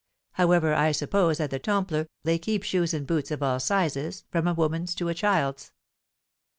However, I suppose, at the Temple, they keep shoes and boots of all sizes, from a woman's to a child's."